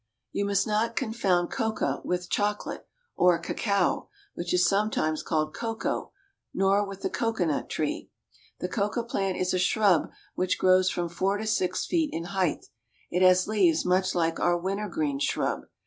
You must not confound coca with chocolate, or cacao, which is sometimes called cocoa, nor with the cocoanut tree. The coca plant is a shrub which grows from four to The Alamada or Promenade, La Paz. six. feet in height. It has leaves much like our winter green shrub.